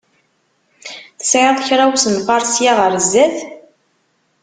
Tesεiḍ kra usenfaṛ ssya ɣer zzat?